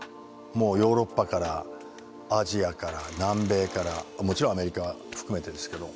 もうヨーロッパからアジアから南米からもちろんアメリカ含めてですけど。